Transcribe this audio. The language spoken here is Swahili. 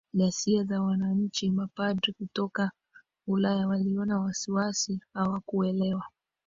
ghasia za wananchi Mapadri kutoka Ulaya waliona wasiwasi hawakuelewa